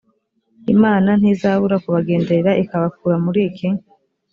imana ntizabura kubagenderera ikabakura muri iki